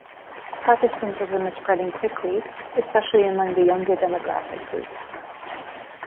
Protestantism is spreading quickly, especially among the younger demographic groups.